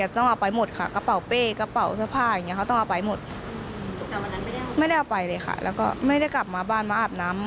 ทุกคนก็หลักเขามากครับ